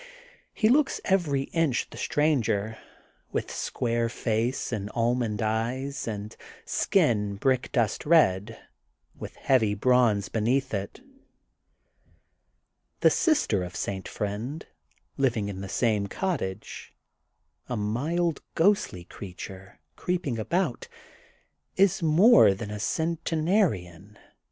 He looks every inch the stranger, mth square face and almond eyes, and skin brickdust red, with heavy bronze beneath it. The sister of St. Friend, living in the same cottage, a mild, ghostly creature, creeping about, is more than a centenarian.